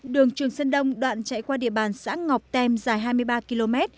đường trường sơn đông đoạn chạy qua địa bàn xã ngọc tem dài hai mươi ba km